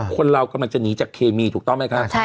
คนเรากำลังจะหนีจากเคมีถูกต้องไหมคะ